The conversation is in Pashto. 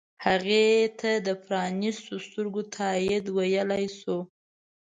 هغې ته د پرانیستو سترګو تایید ویلی شو.